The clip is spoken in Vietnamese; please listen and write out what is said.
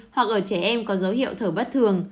hoặc ở trẻ em có dấu hiệu thở bất thường